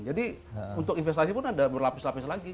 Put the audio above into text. jadi untuk investasi pun ada berlapis lapis lagi